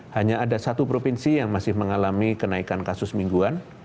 hanya ada satu provinsi yang masih mengalami kenaikan kasus mingguan